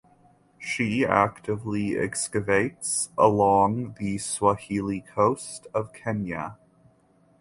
She actively excavates along the Swahili cost of Kenya.